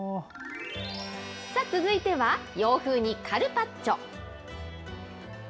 続いては洋風に、カルパッチョ。